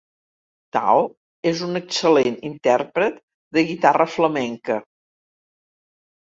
Tao és un excel·lent intèrpret de guitarra flamenca.